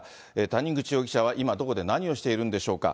谷口容疑者は今、どこで何をしているんでしょうか。